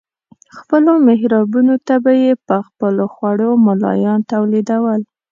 خپلو محرابونو ته به یې په خپلو خوړو ملایان تولیدول.